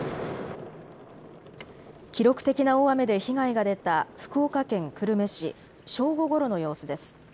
記録的な大雨で被害が出た福岡県久留米市、正午ごろの様子です。